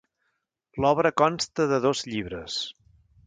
L'obra consta de dos llibres.